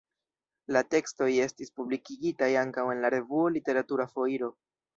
La tekstoj estis publikigitaj ankaŭ en la revuo Literatura Foiro.